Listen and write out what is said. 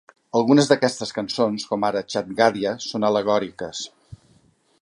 Algunes d'aquestes cançons, com ara "Chad Gadya", són al·legòriques.